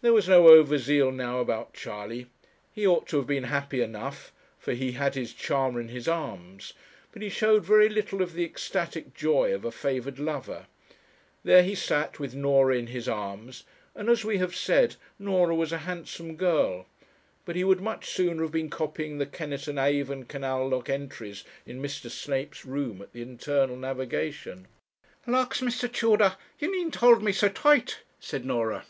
There was no over zeal now about Charley. He ought to have been happy enough, for he had his charmer in his arms; but he showed very little of the ecstatic joy of a favoured lover. There he sat with Norah in his arms, and as we have said, Norah was a handsome girl; but he would much sooner have been copying the Kennett and Avon canal lock entries in Mr. Snape's room at the Internal Navigation. 'Lawks, Mr. Tudor, you needn't hold me so tight,' said Norah.